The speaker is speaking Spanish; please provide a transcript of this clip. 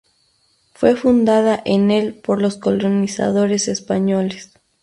Fue fundada en el por los colonizadores españoles.